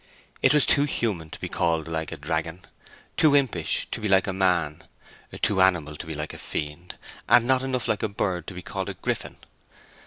It was too human to be called like a dragon, too impish to be like a man, too animal to be like a fiend, and not enough like a bird to be called a griffin.